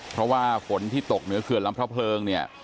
เพราะว่าฝนที่ตกในเหนือเกลือดลำพระพรงส์